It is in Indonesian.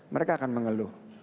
mereka akan mengeluh